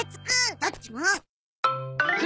どっちも！